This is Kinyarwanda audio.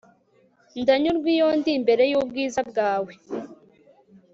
ndanyurwa iyo ndi imbere y'ubwiza bwawe